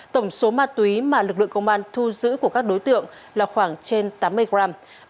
tổng số ma túy mà lực lượng công an thu giữ của các đối tượng là khoảng trên tám mươi gram